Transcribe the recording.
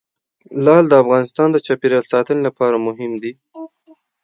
لعل د افغانستان د چاپیریال ساتنې لپاره مهم دي.